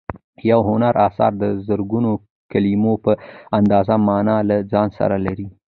یو هنري اثر د زرګونو کلیمو په اندازه مانا له ځان سره لري.